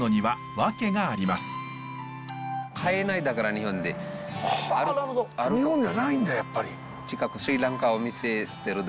日本ではないんだやっぱり。